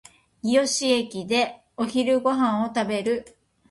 日吉駅でお昼ご飯を食べる